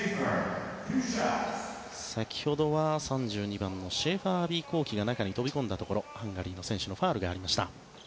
先ほどは、３２番のシェーファー・アヴィ幸樹が中に飛び込んだところでハンガリーの選手のファウルがありました。